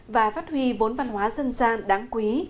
và phát huy vốn văn hóa dân gian đáng quý